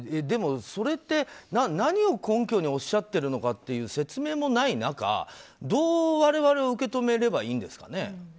でもそれって、何を根拠におっしゃっているのかっていう説明もない中、どう我々は受け止めればいいんですかね。